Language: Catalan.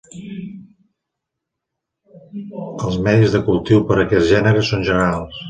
Els medis de cultiu per a aquest gènere són generals.